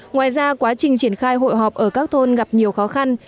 ngoài ra quá trình triển khai hội họp ở các thôn gặp nhiều khó khăn